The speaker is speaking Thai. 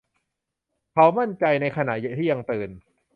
เขามั่นใจในขณะที่ยังตื่น